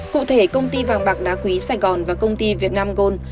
cụ thể công ty vàng bạc đá quý sài gòn và công ty việt nam gold